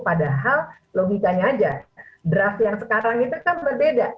padahal logikanya aja draft yang sekarang itu kan berbeda